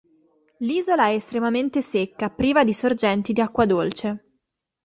L'isola è estremamente secca, priva di sorgenti di acqua dolce.